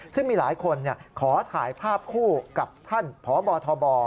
ซึ่งมีหลายคนขอถ่ายภาพคู่กับท่านพบทบ